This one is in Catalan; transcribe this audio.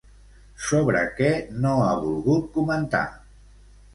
Sobre què no ha volgut comentar?